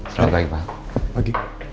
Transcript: selamat pagi pak